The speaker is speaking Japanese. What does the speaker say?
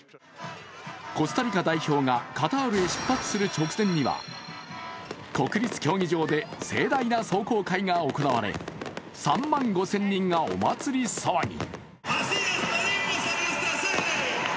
コスタリカ代表がカタールへ出発する直前には国立競技場で盛大な壮行会が行われ、３万５０００人がお祭り騒ぎ。